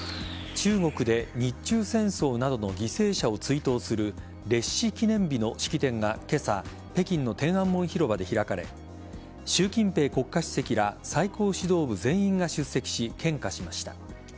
中国で日中戦争などの犠牲者を追悼する烈士記念日の式典が今朝北京の天安門広場で開かれ習近平国家主席ら最高指導部全員が出席し献花しました。